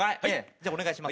じゃあお願いします。